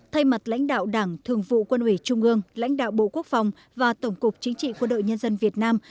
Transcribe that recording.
thay mặt lãnh đạo đảng thường vụ quân ủy trung ương lãnh đạo bộ quốc phòng và tổng cục chính trị quân đội nhân dân việt nam